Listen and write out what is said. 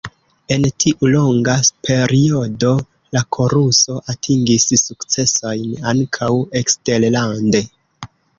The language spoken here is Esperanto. En tiu longa periodo la koruso atingis sukcesojn ankaŭ eksterlande.